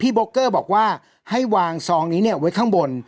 โบเกอร์บอกว่าให้วางซองนี้ไว้ข้างบน